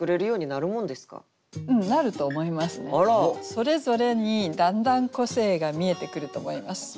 それぞれにだんだん個性が見えてくると思います。